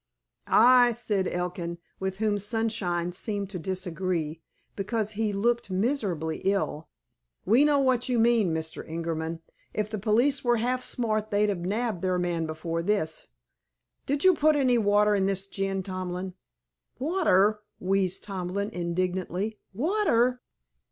"Ay," said Elkin, with whom sunshine seemed to disagree, because he looked miserably ill. "We know what you mean, Mr. Ingerman. If the police were half sharp they'd have nabbed their man before this ... Did you put any water in this gin, Tomlin?" "Water?" wheezed Tomlin indignantly. _"Water?"